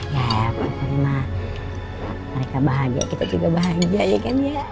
ya karena mereka bahagia kita juga bahagia ya kan ya